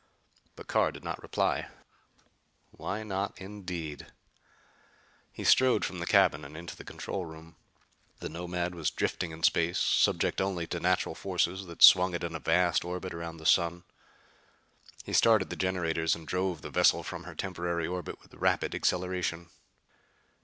But Carr did not reply. Why not, indeed? He strode from the cabin and into the control room. The Nomad was drifting in space, subject only to natural forces that swung it in a vast orbit around the sun. He started the generators and drove the vessel from her temporary orbit with rapid acceleration.